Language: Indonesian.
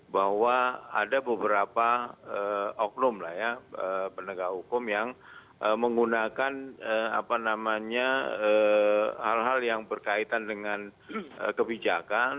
bahwa ada beberapa oknum lah ya penegak hukum yang menggunakan hal hal yang berkaitan dengan kebijakan